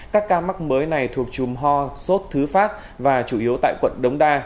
các ca mắc mới này thuộc chùm ho sốt thứ pháp và chủ yếu tại quận đống đa